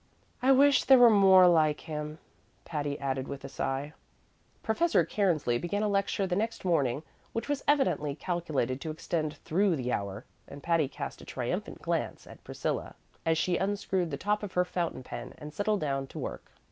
I wish there were more like him," Patty added with a sigh. Professor Cairnsley began a lecture the next morning which was evidently calculated to extend through the hour, and Patty cast a triumphant glance at Priscilla as she unscrewed the top of her fountain pen and settled down to work.